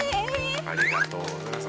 「ありがとうございます。